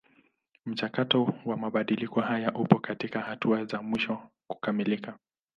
Mchakato wa mabadiliko haya upo katika hatua za mwisho kukamilika.